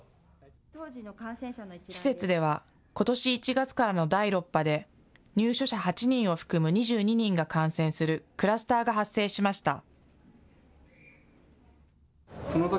施設では、ことし１月からの第６波で入所者８人を含む２２人が感染するクラスターが発生しました。